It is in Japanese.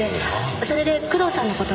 それで工藤さんの事を。